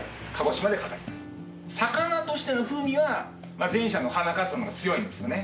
魚としての風味は前者の花かつおの方が強いんですよね。